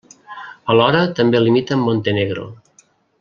Alhora també limita amb Montenegro.